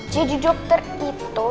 jadi dokter itu